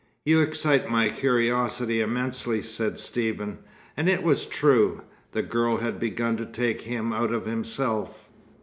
"You excite my curiosity immensely," said Stephen. And it was true. The girl had begun to take him out of himself.